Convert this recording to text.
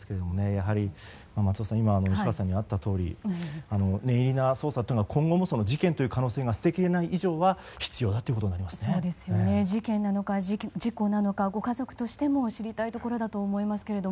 松尾さん吉川さんからもあったとおり念入りな捜査というのは今後も事件という可能性が捨てきれない以上は事件なのか事故なのかご家族としても知りたいところだと思いますが。